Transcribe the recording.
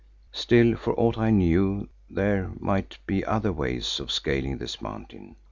Still, for aught I knew there might be other ways of scaling this mountain.